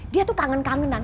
dia tuh kangen kangenan